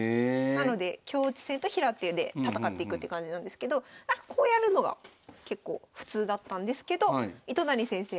なので香落ち戦と平手で戦っていくって感じなんですけどこうやるのが結構普通だったんですけど糸谷先生